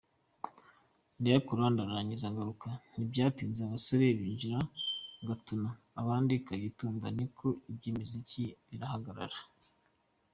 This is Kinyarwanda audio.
Ndayakora ndarangiza ngarutse ntibyatinze abasore binjira Gatuna abandi Kagitumba, ni uko iby’imiziki birahagarara.